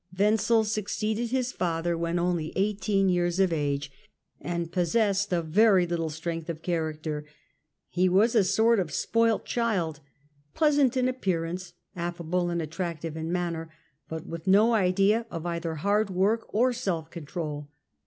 Wenzel succeeded ^''^^Jjtm ^ his father when only eighteen years of age and possessed of very little strength of character. He was a sort of spoilt child ; pleasant in appearance, affable and attrac tive in manner, but with no idea of either hard work or self control.